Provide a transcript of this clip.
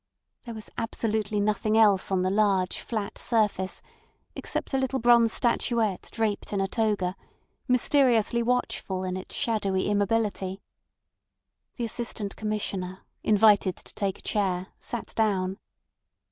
There was absolutely nothing else on the large flat surface except a little bronze statuette draped in a toga, mysteriously watchful in its shadowy immobility. The Assistant Commissioner, invited to take a chair, sat down.